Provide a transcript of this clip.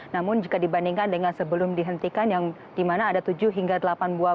namun jika dibandingkan dengan sebelum dihentikan yang dimana ada tujuh hingga delapan buah